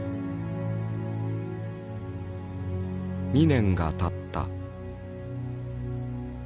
２年がたった。